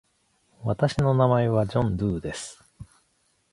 私の名前はジョン・ドゥーです。